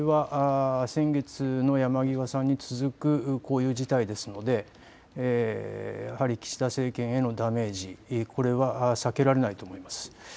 先月の山際さんに続くこういう事態ですのでやはり岸田政権へのダメージ、これは避けられないと思います。